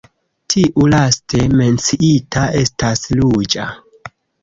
Tiu laste menciita estas ruĝa.